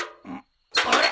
あれ？